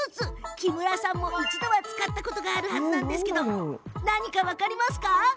木村さんも一度は使ったことがあるはずなんですが何か分かりますか？